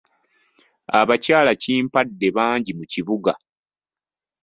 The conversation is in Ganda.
Abakyalakimpadde bangi mu kibuga.